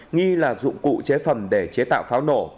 nghi là dụng cụ chế phẩm để chế tạo pháo nổ